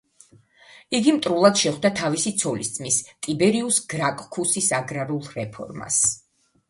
იგი მტრულად შეხვდა თავისი ცოლისძმის, ტიბერიუს გრაკქუსის აგრარულ რეფორმას.